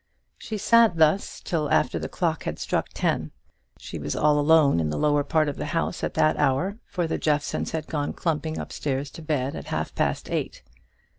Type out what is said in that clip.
She sat thus till after the clock had struck ten. She was all alone in the lower part of the house at that hour, for the Jeffsons had gone clumping up stairs to bed at half past eight.